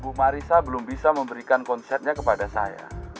bu marisa belum bisa memberikan konsepnya kepada saya